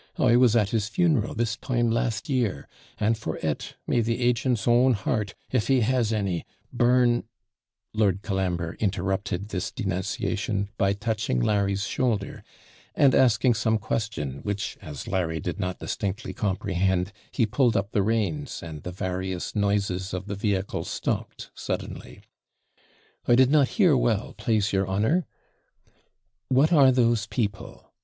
I was at his funeral, this time last year; and for it, may the agent's own heart, if he has any, burn ' Lord Colambre interrupted this denunciation by touching Larry's shoulder, and asking some question, which, as Larry did not distinctly comprehend, he pulled up the reins, and the various noises of the vehicle stopped suddenly. I did not hear well, plase your honour.' 'What are those people?'